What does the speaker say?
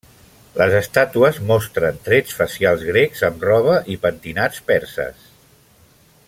Les estàtues mostren trets facials grecs amb roba i pentinats perses.